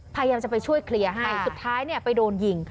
พยายามจะไปช่วยเคลียร์ให้สุดท้ายเนี่ยไปโดนยิง